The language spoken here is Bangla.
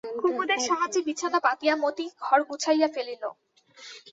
কুমুদের সাহায্যে বিছানা পাতিয়া মতি ঘর গুছাইয়া ফেলিল!